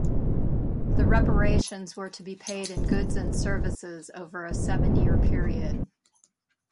The reparations were to be paid in goods and services over a seven-year period.